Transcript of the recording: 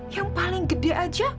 yang paling gede aja